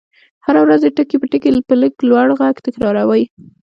هره ورځ يې ټکي په ټکي په لږ لوړ غږ تکراروئ.